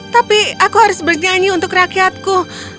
tapi aku harus bernyanyi untuk rakyatku